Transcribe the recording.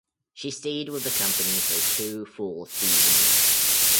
She stayed with the company for two full seasons.